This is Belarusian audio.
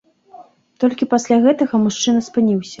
Толькі пасля гэтага мужчына спыніўся.